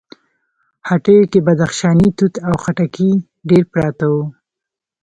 هټيو کې بدخشانی توت او خټکي ډېر پراته وو.